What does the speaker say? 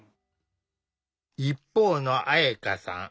一方の彩夏さん